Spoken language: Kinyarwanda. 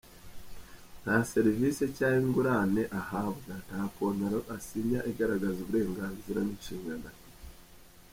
Nta servisi cyangwa ingurane ahabwa, nta kontaro asinya igaragaza uburenganzira n’inshingano afite.